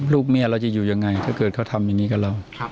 ลูกเมียเราจะอยู่ยังไงถ้าเกิดเขาทำอย่างนี้กับเรา